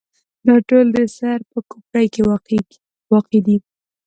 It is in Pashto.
دا ټول د سر په کوپړۍ کې واقع دي.